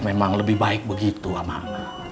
memang lebih baik begitu amal